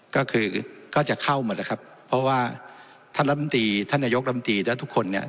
ก็คือก็จะเข้ามาแล้วครับเพราะว่าท่านลำตีท่านนายกลำตีและทุกคนเนี่ย